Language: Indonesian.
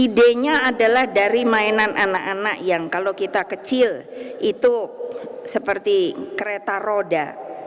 idenya adalah dari mainan anak anak yang kalau kita kecil itu seperti kereta roda